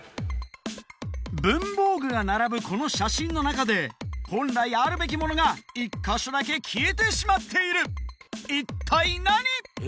文房具が並ぶこの写真の中で本来あるべきものが１か所だけ消えてしまっている一体何？